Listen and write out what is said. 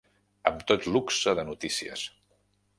Amb tot luxe de notícies.